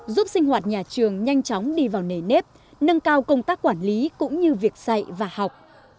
giúp sinh hoạt nhà trường nhanh chóng đi vào nề nếp nâng cao công tác quản lý cũng như việc dạy và học